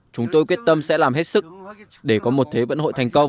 chúng tôi quyết tâm sẽ làm hết sức để có một thế vận hội thành công